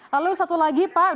lalu satu lagi pak